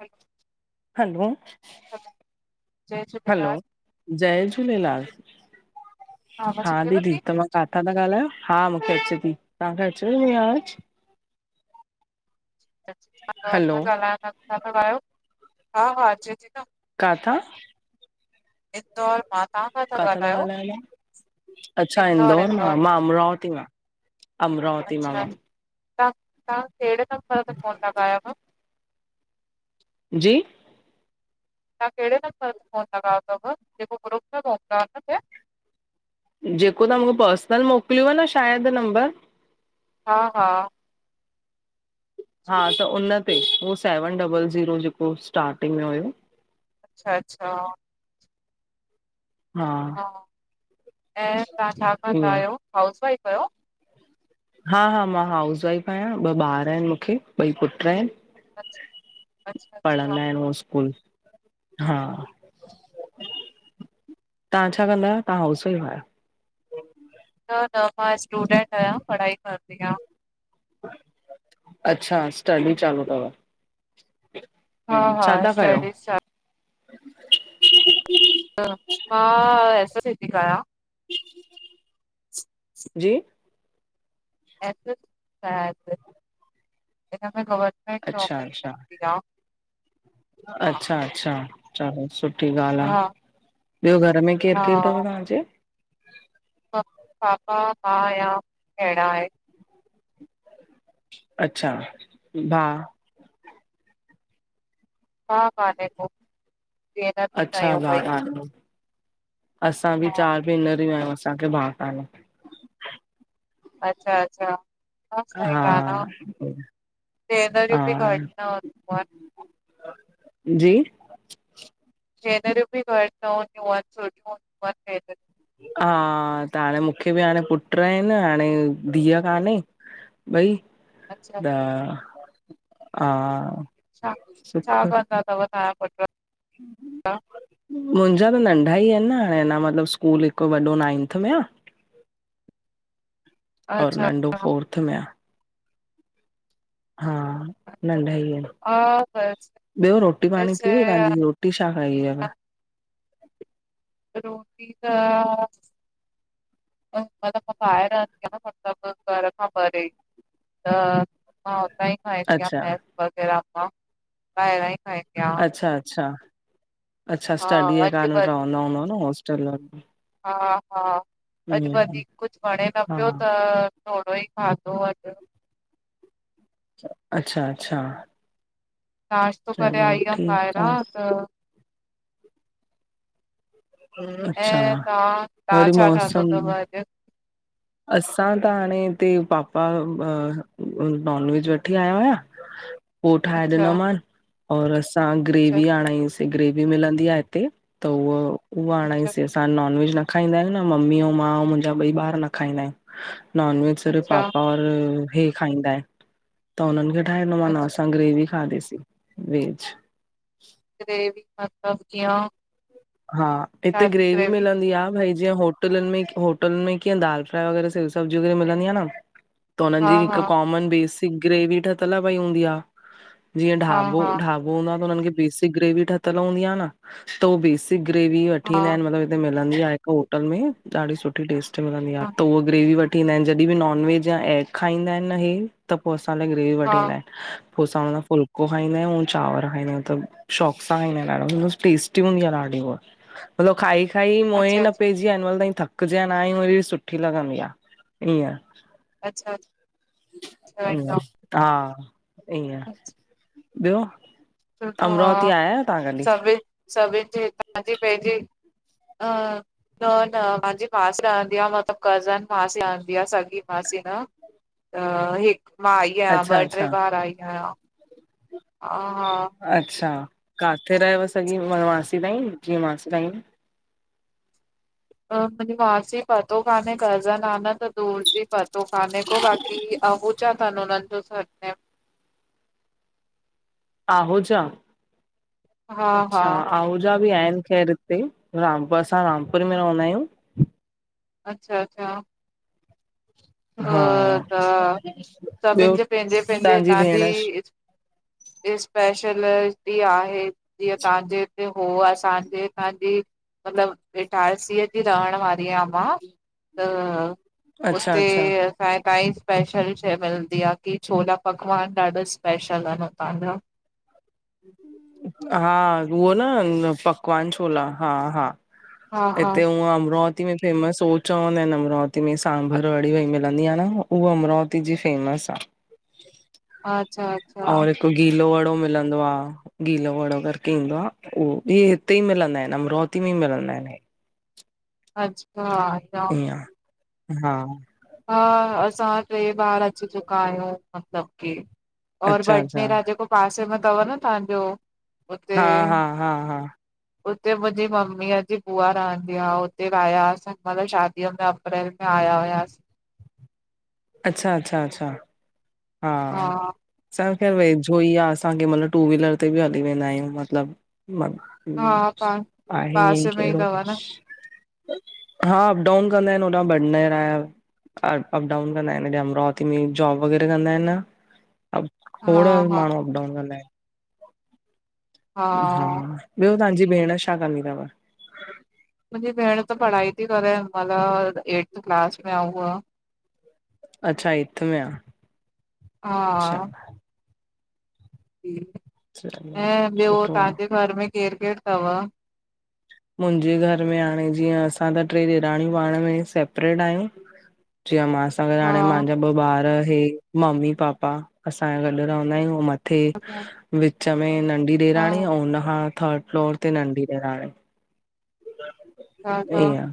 हलो hello hello जय Jhulelal hello जय झूलेलाल आवाज अचेव ती थी तंव्हा काथां था ॻाल्हायो? हा मूंखे अचे थी। तव्हांखे अचेवती मुंजी आवाज? हलो ॻाल्ह हा हा अचे थी न कथां? इंदौर मां तव्हां खां किथां था ॻाल्हायो तांह? अच्छा इंदौर मां। मां अमरावती मां। अमरावती मां अच्छा मां तव्हां तव्हां कहिड़े नंबर ते फ़ोन लगॻायव? जी तव्हां कहिड़े नम्बर ते फोन लगायो अथ? जेको ग्रुप हुदव न जेको तव्हां मूंखे पर्सनल मोकिलियो न शायदि नंबर हा हा जी हा जी त उन ते उहो सेवन डबल ज़ीरो जेको स्टार्टिंग में हुयो। अच्छा अच्छा हा ऐं तव्हां छा क ता्ह ईअं आहियो, हाउस वाइफ आहियो? हा हा मां हाउस वाइफ आहियां। ॿ ॿार आहिनि मूंखे ॿई पुट आहिनि। अच्छा अच्छा अच्छा पढ़नदा आहिन हो स्कूल। हा, तव्हां छा कंदा आहियो तव्हां हाउसो वाईफ आहियो? न त मां स्टूडेंट आहियां, पढ़ाई कंदी आहियां। अच्छा, स्टडी चालू अथव। हा हा छा था कयो। स्टडीज़ मां स स थी आहियां। जी - - अ ख़बर। अच्छा नौकरी करंदी आहे। अचछा अच्छा चलो सुठ - - सुठी ॻाल्ह हा आहे ॿियो घर में केरु केरु अथव हा तव्हांजे। पापा मां आहियां अहिड़ा आहिन। अच्छा भा। हा ह - - अच्छा भाग आहे असां बि हा चार भेनर ई आहियूं असांखे भाग वार। अच्छा अच्छा। ह सह हा गान सनर बि घ हा न - - जी - - हेनर बि घ - - हा त हाणे मूंखे बि हाणे पुट आहिन हाणे धीअ कान्हे। भई अच्छा त हा - - छा कंदा अथव ताजा पूट? हम हम। मुंहिंजा त नंढा ई आहिन न हाणे अञ मतलब स्कूल हिक वॾो नाइंथ में आ। और अच्छा नंढो फोर्थ में आहे। हा अच्छा। नंढा ई आहिन हा ॿियो रोटी पाणी बस थी वई तव्हांजी। कुटी छा खाईई - - रोटी त। मतलब ॿाहिरंद न मलब घर खां परे। त मां हुतां ई खाईंदी आहियां अच्छा, भैस वग़ैरह मां ॿाहिरां ई खाईंदी आहियां। अच्छा अच्छा अच्छा हा स्टडीअ अॼु कारण व रहंदा हूंदा न होॉस्टल में। हा हा अॼु वधीक कुझ वणे न हा, पियो त - - थोरो ई खाधो आ। अच्छा अच्छा। नाश्तो करे चलो आई आहे ठीकु ॿाहिरां आ। त। अच्छा ऐं तव्हां तव्हां री छा ठातो मौसम। अथव अॼु असां त हाणे हिते पापा नॉन वेज वठी आया हुया। पो ठाहे अच्छा ॾिनोमान और असां अच्छा ग्रेवी आणायस। ग्रेवी मिलंदी आहे हिते त उह उहा अच्छा आणायसीं। असां नॉन वेज न खाईंदा आहियूं न ममी ऐं मां ऐं मुंहिंजा ॿई ॿार न खाईंदा आहियूं। नॉन वेज सर्फ़ अच्छा पापा और इहे खाईंदा आहिन। त हुनन खे ठाहे ॾिनो माना अच्छा असां ग्रेवी खाधीसीं वेज। व मतलब कया। हा हिते ग्रेवी मिलंदी आहे भाई। जीअं होटलन में होटल में कीअं दाल फ्राए वग़ैरह स सबजी व़रह मिलंदी आ न। त हुनन हा जी हा हिकु कॉमन बेसिक ग्रेवी ठहियल पई हूंदी आहे जीअं हा ढाबो हा ढाबो - - बेसिक ग्रेवी ठहियल हूंदी आहे न त उ बेसिक ग्रेवी वठी ईंदा आहिन मतब - - होटल में ॾाढी सुठी टस्ट हा आहे उ ग्रेवी वठ। ठंदा आहिन जॾहिं बि नॉन वेज या एग खाईंदा आहिन न इहे त पोइ असां लाइ ग्रेवी वठी हा ईंदा आहिन। पो असां हुन फुलको खाईंदायूं, चांवर खाईंदायूं, तब शौक़ सां खाईंदायूं ॾाढ़ो, टेस्टी हूंदी आ ॾाढ़ी। मलब खाई खाई मोयें अच्छा न अच्छा पेज हिनमल ताई थकज्या नांयूं, एॾी सुठी लॻंदी आ, ईअं अच्छा अच्छा ईंदो। हा, ईअं ॿियो, सुठो अमरावती आ आयायो तहां कॾी? सभिन सभिन जे हितां जी पंहिंजी, अं न न, मांजी मासी रहंदी आ मतलब कज़न मासी रहंदी आ, सॻी मासी न। त हिक मां आई आयां, अच्छा ॿ ट्रे अच्छा बार आई आयां, हा हा अच्छा, काथे रहेव सॻी म मासी ताईं, जीअं मासी ताईं? अ मुंजी मासी पतो काने घर, कज़न आ न त दूर जी प पतो कान्हे को, बाक़ी अगूचा थन उनन जो सर नेम। आहूजा, हा हा अच्छा आहूजा बि आहिन ख़ैर इ इते, रामपुर, असां रामपुर में रहंदायूं। अच्छा अच्छा हा सभिन ॿियो जे पैंजे पैंजे तव्हांजी भेण तांजी स्पेशल डी, आहे, जीअं तहांजे हिते जो हूअ असांजे हितां जी, मतलब इटारसीअ जी रहण वारीआं मां। त अच्छा उते अच्छा छाए काई स्पेशल शइ मिलदी आ, की छोला पकवान ॾाढा स्पेशल अन उतां जा। हूं हा, हूअ न पकवान छोला, हा हा हा हा इते हूअं अमरो अमरावती में फेमस उ चवंदा आहिन, अमरावती में सांभर वड़ी वई मिलंदी आ न उह अमरावती जी फेमस आ। अच्छा अच्छा और हिकु गीलो वड़ो मिलंदो आ। गीलो वड़ो करके ईंदो आ, ऊ बि हिते ई मिलंदा एन अमरावती में ई मिलंदा एन हे। अच्छा ईअं इअं, हा हा, असां ट्रे बार अची चुका आयूं, मतलब की और, अच्छा अच्छा भटनेरा, जेको पासे में तव न तहांजो, उ हा हा, हा हा उते मुंजी ममीअ जी बूआ रहंदी आ, उते वयास मतलब शादीअ में अप्रैल में, आया हुयास। अच्छा, अच्छा, अच्छा हा असांखे खैरु वेझो ई आ, असां केंमल्ह टू व्हीलर ते बि हली वेंदायूं मतलब हूं, हा पा आहे ईअंई पासे में ई केड़हो। तव न, हा, अप डाउन कंदा एन होॾहूं भटनेरा जो। डाउन कंदा एन, हेॾे अमरावती में जॉब वग़ैरा कंदा एन न, हा खोड़ हा माण्हूं अप डाउन कंदा एन। हा, ॿियो तांजी भेण छा कंदी तव? मुंजी भेण त पढ़ाई ती करे, हिनमाल और एर्थ क्लस में आ उहा। अच्छा, एथ में आ। अच्छा हा जी, चलो ऐं ॿियो सुठो आ तहांजे घर में केरु केरु तव? मुंजे घर में हाणे जीअं असां त ट्रे ॾेराणियूं पांण में सेपरेड आहियूं चिया मास असां गॾु हा हांणे हा मांजा ॿ ॿार हे, मम्मी पापा असांया गॾु रहंदा आहियूं अंउं मथ मथे विच में नंढी ॾेराणी ॾाढा अंऊं उन खां थर्ड फ्लोर ते नंढी ॾेराणी हा वही आ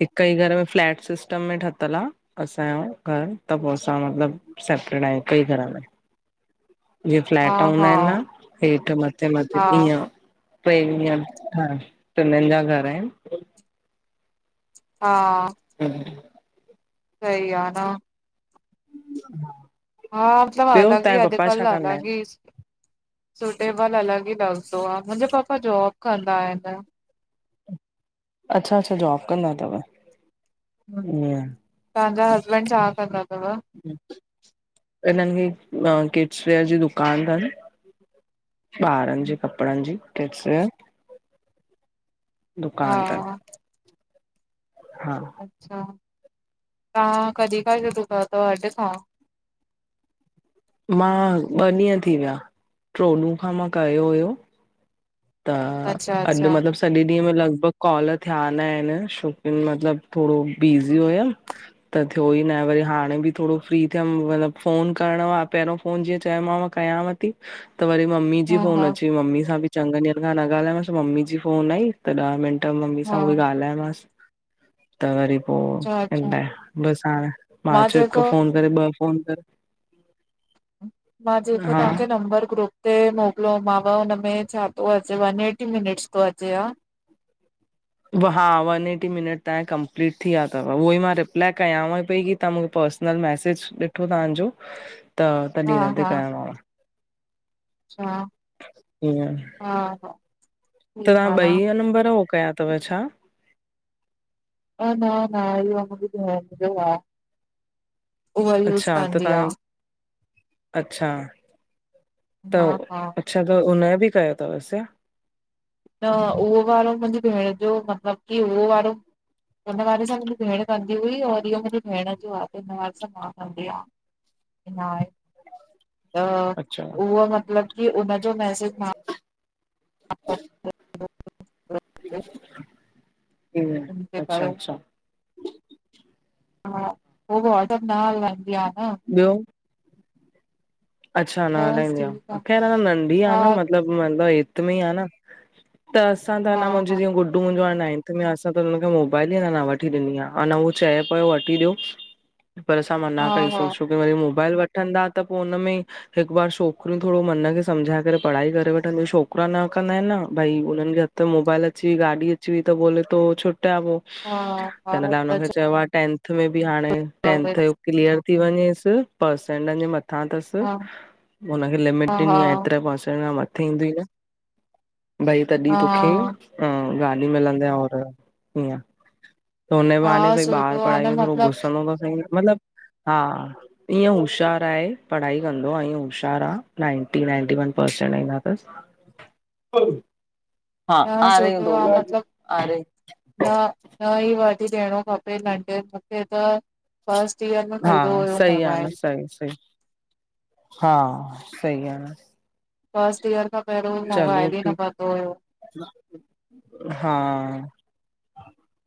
हिक ई घर में फ्लैट सिस्टम में ठतल आ असांयो घर त पो असां मतिलबु सेपरेड आहियंउं हिक ई घर में जीअं फ्लैट हूंदा हा इनि न हेठि मथे मथे हा ईअं ट्रे हींय, हा ट्रिनिनि जा घर इनि हा। हम्म। सह आ न हा। हा मतिलब अलॻ ई अॼुकल्ह कंदा आहिन? अलॻि ई सि सुटेबल अलॻि ई लॻंदो आ मुंजा पापा जॉब कंदा इनि अच्छा -अच्छा जॉब कंदा तव हुं, तहांजा हसबैंड छा कंदा तव? हम्म। हिननि जी अ किड्सवेयर जी दुकान तनि ॿारनि जे कपड़नि जी किड्सवेयर दुकान तन हा हा अच्छा, तहां कॾी खां शुरू कयो तव अॼु खां? मां ॿ ॾींहं थी विया, ट्रो ॾुहं खां मां कयो हुयो त अच्छा अॼु अच्छा, मतिलब स सॾे ॾींहं में लॻभॻि कॉल थिया न आहिनि छोकी मतलबु थोड़ो बिज़ी हुयमि त थियो ई ना हे वरी हाणे बि थोड़ो फ्री थियमि मतलबु फ़ोन करिणो आ पहिरों फोन जीअं चयोमांव कयांव ती, त वरी मम्मी जी हा फोन हा अची वई मम्मी सां बि चङनि ॾींहंनि खां न ॻाल्हायांमांसि त मम्मी जी फोन आई त ॾह मिंट मम्मी हा सां उहो ई ॻाल्हायामास त वरी पो अच्छा इन अच्छा, लाए बसि हाणे मां चयो हिकु फोन वरी ॿ फोन करे मां जेको हा तहांखे नंबर ग्रुप ते मोकिलियोमांव हुनमें छा? तो अचे वन एटी मिनटस तो अचेव व हा वन एटी मिनट तव्हांया कंप्लीट थी या तव उह ई मां रिप्लाय कयांव पई की तहां मुखे पर्स -नल मैसेज ॾिठो तहांजो त तॾी हा हिन ते कयोमांव छा, हा हा तहां ठीकु आ न, ॿई या नंबर हो कया तव छा? न न न इह्यो मुंजी भेंड़ जो आ उहा यूस अच्छा त कंदी आ तव्हां अच्छा त हा हा अच्छा त उन्हयो बि कयो तवसि छा न उहो वारो मुंजी भेंण जो मतलब की उहो वारो उन्ह वारे सां मुंजी भेंण कंदी हुई और इह्यो मुंजी भेण जो आ त हिन वारे सां मां कंदी आं ना हे त अच्छा उह मतलब की उनजो मैसेज मा ह [unintelligible] हम्म, अच्छा -अच्छा हा, हो वाट अप न हलाइंदी आ न ॿियो। अचछा न बस हलाईंदी ठीक आ आहे अ न नंढी आहे हा न मतलब में आहे न। त असां त हा न मुंहिंजी हा जीअं ग - - अ ट मुंहिंजो आहे नाइंथ में असां त हुनखे मोबाइल ई अ न वठी ॾिनी आहे अन उहो चए पियो वठी ॾियो। पर असां मना कई हा सोचूं की वरी मोबाइल वठंदा त पोइ हुनन में। हिक बार छोकिरियूं थोरो मन खे सम्झाए करे पढ़ाई करे वठंदियूं छोकिरा न कंदा आहिन न भई हुननन खे। त मोबाइल अची गाॾी अची त तो छोटे आबो हा हा तन लाइ हा त उनखे चयो। टेंनथ में बि हाणे टेंथ जो क्लीअर थी वञेस पसेंटन जे मथां अथस। हा हुनखे लिमिट हा ॾिनी आहे एतिरे प खां मथे ईंदी ई न - - भई तॾहिं हा तोखे गाॾी मिलंदी और हीअं - - त हुन बहाने हा भई ॿारु सुठो आ पढ़ाई न में थोरो मतलब घुसंदो थो सही मतलब। हा ईअं होश्यारु आहे पढ़ाई। टथ - - हा न आ रीूं सुठो दो मतलब आ रह। न न ई वठी ॾियणो खपे नंढे मूंखे त। First year. में हा मिलंदो हुयो सही आहे न मोबाइल सही सी हा सही आ न। फस्ट ईयर खांक। चलो ठीक हा।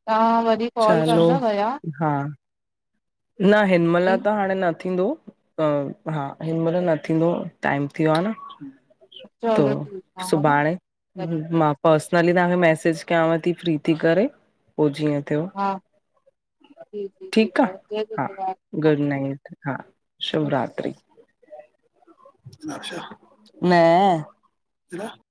तव्हां वरी कॉल चलो कंदा हुया। हा न हिनमहिल त हाणे न थींदो। हा हिन महिल न थींदो टाइम थियो आ न। त चलो ठीकु आहे हा न सुभाणे। मां पर्सनली तव्हांखे मैसेज कयांव थी फ्री थी करे। पोइ जीअं थियो हा जी जी ठीक ठीकु आ। आहे जय हा झूलेलाल। गुड नाइट हा हा शिवरात्रि। न - -